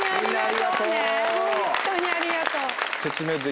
本当にありがとう。